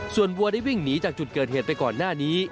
ส่วนวัวได้วิ่งหนีจากจุดเกิดเหตุไปก่อนหน้านี้